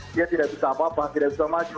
dia tidak bisa apa apa tidak bisa maju